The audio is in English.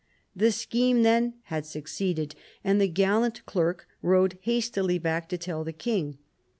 The scheme then had succeeded, and the gallant clerk rode hastily back to tell the king.